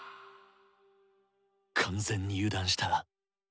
完全に油断した。